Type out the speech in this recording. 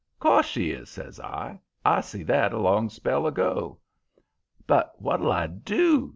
"''Course she is,' says I; 'I see that a long spell ago.' "'But what'll I DO?'